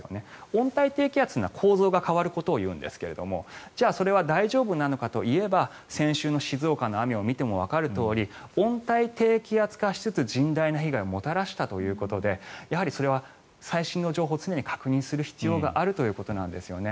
温帯低気圧化というのは構造が変わることを言うんですがじゃあそれは大丈夫なのかといえば先週の静岡の雨を見てもわかるとおり温帯低気圧化しつつ甚大な被害をもたらしたということでそれは最新の情報を常に確認する必要があるということなんですよね。